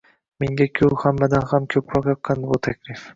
Mengaku hammadan ham koʻproq yoqqandi bu taklif.